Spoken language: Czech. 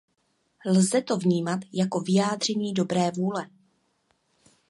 Lze to vnímat jako vyjádření dobré vůle.